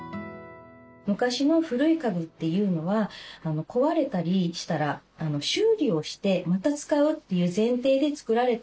昔の古い家具というのは壊れたりしたら修理をしてまた使うという前提で作られている。